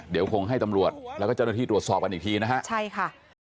เดี๋ยวคงให้ตำรวจแล้วก็เจ้าหน้าที่ตรวจสอบกันอีกทีนะฮะใช่ค่ะ